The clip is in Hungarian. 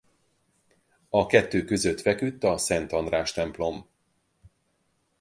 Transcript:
A kettő között feküdt a Szent András-templom.